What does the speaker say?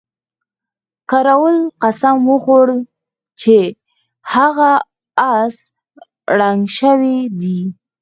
کراول قسم وخوړ چې هغه اس رنګ شوی دی.